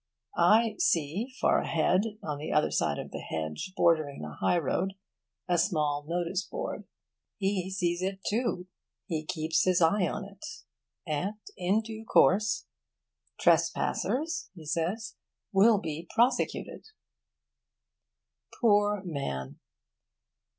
I see far ahead, on the other side of the hedge bordering the high road, a small notice board. He sees it too. He keeps his eye on it. And in due course 'Trespassers,' he says, 'Will Be Prosecuted.' Poor man!